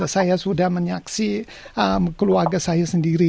saya sudah menyaksikan keluarga saya sendiri